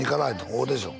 オーディション？